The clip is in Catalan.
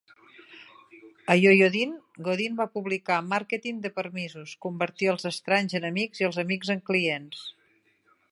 A Yoyodyne, Godin va publicar "Màrqueting de permisos: convertir els estranys en amics i amics en clients".